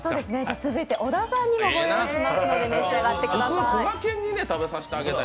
続いて小田さんにもご用意したので召し上がってください。